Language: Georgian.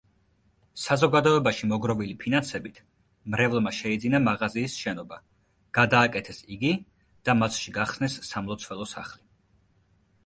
საზოგადოებაში მოგროვილი ფინანსებით მრევლმა შეიძინა მაღაზიის შენობა, გადააკეთეს იგი და მასში გახსნეს სამლოცველო სახლი.